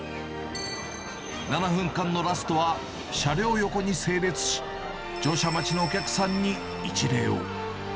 ７分間のラストは、車両横に整列し、乗車待ちのお客さんに一礼を。